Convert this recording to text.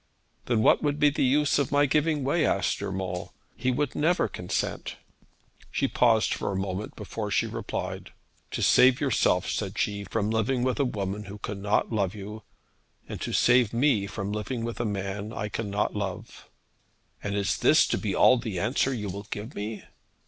'Then what would be the use of my giving way?' asked Urmand. 'He would never consent.' She paused for a moment before she replied. 'To save yourself,' said she, 'from living with a woman who cannot love you, and to save me from living with a man I cannot love.' 'And is this to be all the answer you will give me?'